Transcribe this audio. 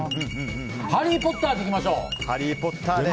「ハリー・ポッター」でいきましょう！